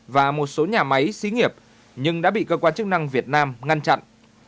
và một số nhà máy xí nghiệp nhưng đã bị cơ quan chức năng việt nam ngăn chặn